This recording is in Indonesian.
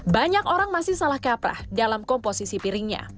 banyak orang masih salah kaprah dalam komposisi piringnya